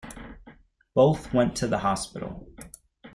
Both went to the hospital.